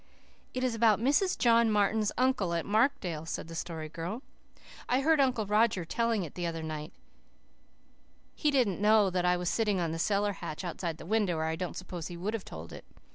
"It is about Mrs. John Martin's uncle at Markdale," said the Story Girl. "I heard Uncle Roger telling it the other night. He didn't know I was sitting on the cellar hatch outside the window, or I don't suppose he would have told it. Mrs.